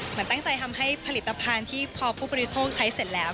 เหมือนตั้งใจทำให้ผลิตภัณฑ์ที่พอผู้บริโภคใช้เสร็จแล้ว